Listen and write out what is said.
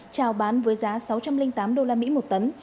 trào bán với giá sáu trăm linh tám usd một tấn